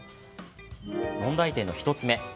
問題点の１つ目。